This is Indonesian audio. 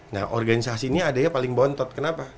nah organisasi ini adanya paling bontot kenapa